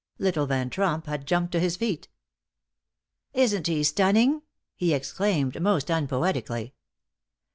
Little Van Tromp had jumped to his feet. "Isn't he stunning?" he exclaimed most unpoetically.